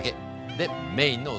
でメインのお皿！